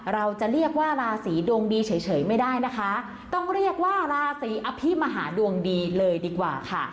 เราจะเรียกว่าราศีดวงดีเฉยไม่ได้นะคะต้องเรียกว่าราศีอภิมหาดวงดีเลยดีกว่าค่ะ